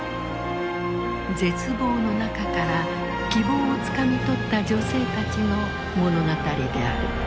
絶望の中から希望をつかみ取った女性たちの物語である。